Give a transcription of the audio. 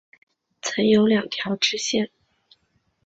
曾有两条支线。